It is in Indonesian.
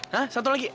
hah satu lagi